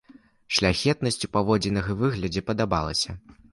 Шляхетнасць у паводзінах і выглядзе падабалася.